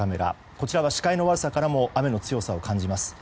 こちらは視界の悪さからも雨の強さを感じます。